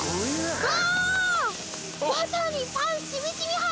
うわ！